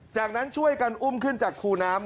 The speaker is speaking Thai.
จากนั้นช่วยกันอุ้มขึ้นจากคูน้ำ